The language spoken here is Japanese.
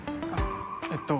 えっと